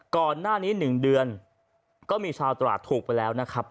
ก่อนหน้านี้๑เดือนก็มีชาวตราดถูกไปแล้วนะครับ